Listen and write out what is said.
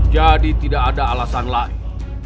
jadi tidak ada alasan lain